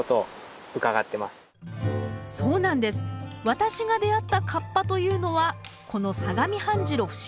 私が出会った河童というのはこの相模半白節